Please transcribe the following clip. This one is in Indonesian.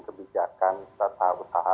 kebijakan setelah usaha